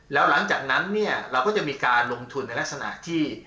แล้วหลังจากนั้นเนี่ยเราก็จะมีการลงทุนในลักษณะที่